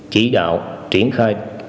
chỉ đạo triển khai